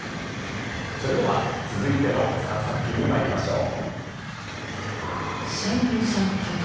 それでは続いての３作品にまいりましょう。